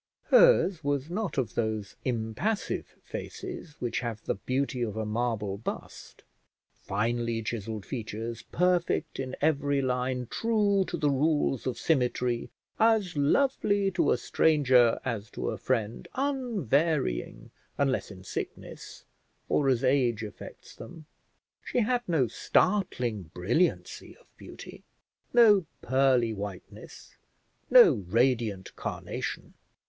Hers was not of those impassive faces, which have the beauty of a marble bust; finely chiselled features, perfect in every line, true to the rules of symmetry, as lovely to a stranger as to a friend, unvarying unless in sickness, or as age affects them. She had no startling brilliancy of beauty, no pearly whiteness, no radiant carnation.